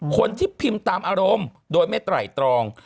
คนที่พิมพ์ตามอารมณ์โดยไม่ไตรตรอง